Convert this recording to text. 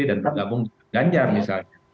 dan bergabung dengan ganjar misalnya